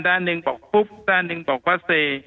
ด้านหนึ่งบอกปุ๊บด้านหนึ่งบอกว่าเซ